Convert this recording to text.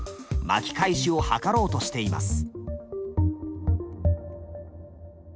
巻き返しを図ろうとしています。